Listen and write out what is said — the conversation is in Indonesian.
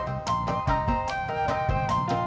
aku mau nungguin